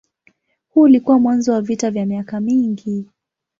Huu ulikuwa mwanzo wa vita vya miaka mingi.